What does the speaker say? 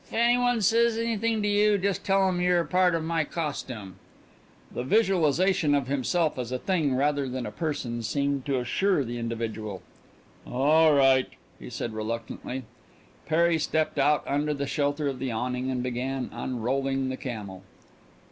"'F anybody says anything to you, just tell 'em you're part of my costume." The visualization of himself as a thing rather than a person seemed to reassure the individual. "All right," he said reluctantly. Perry stepped out under the shelter of the awning and began unrolling the camel.